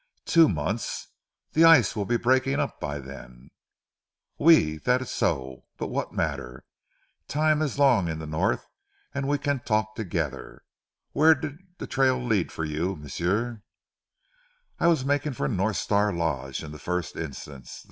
"Two months. The ice will be breaking up by then." "Oui! dat so! But what matter? Time it ees long in ze North, an' we can talk together. Where did the trail lead for you, m'sieu?" "I was making for North Star Lodge in the first instance.